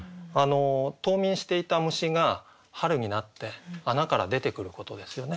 冬眠していた虫が春になって穴から出てくることですよね